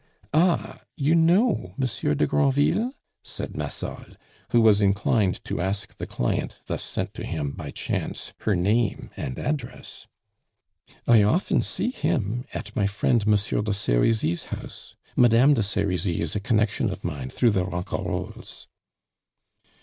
"Ah, you know Monsieur de Granville?" said Massol, who was inclined to ask the client thus sent to him by chance her name and address. "I often see him at my friend Monsieur de Serizy's house. Madame de Serizy is a connection of mine through the Ronquerolles."